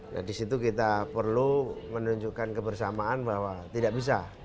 nah disitu kita perlu menunjukkan kebersamaan bahwa tidak bisa